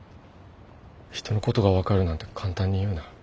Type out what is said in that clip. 人のことが分かるなんて簡単に言うな。